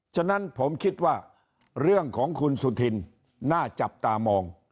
ฉะนั้นผมคิดว่าเรื่องของคุณสุธินน่าจับตามอง